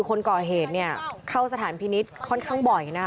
คนเกาะเหตุเข้าสถานพินิษฐ์ค่อนข้างบ่อยนะ